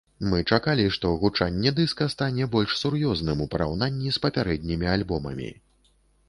Мы чакалі, што гучанне дыска стане больш сур'ёзным, у параўнанні з папярэднімі альбомамі.